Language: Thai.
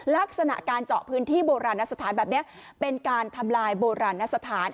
ลักษณะการเจาะพื้นที่โบราณสถานแบบนี้เป็นการทำลายโบราณสถาน